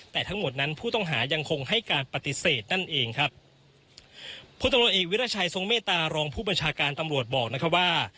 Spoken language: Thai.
แต่ทั้งหมดนั้นผู้ต้องหายังคงให้การปฏิเสธนั่นเองครับพลตำรวจเอกวิราชัยทรงเมตตารองผู้บัญชาการตำรวจบอกนะครับว่า